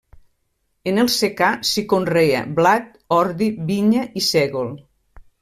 En el secà, s'hi conrea blat, ordi, vinya i sègol.